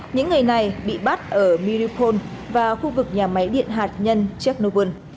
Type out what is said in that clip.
những người này bị bắt ở miripol và khu vực nhà máy điện hạt nhân cheknovan